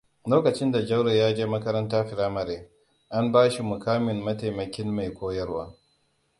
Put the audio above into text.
Lokacin da Jauro ya je makaranta firamare, an bashi mukamin mataimakin mai koyarwa.